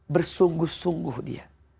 bersungguh sungguh dia